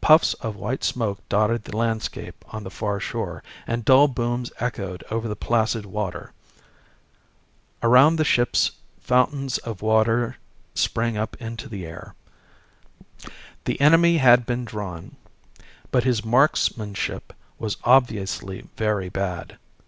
Puffs of white smoke dotted the landscape on the far shore, and dull booms echoed over the placid water. Around the ships fountains of water sprang up into the air. The enemy had been drawn, but his marksmanship was obviously very bad.